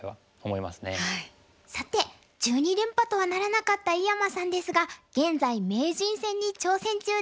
さて１２連覇とはならなかった井山さんですが現在名人戦に挑戦中です。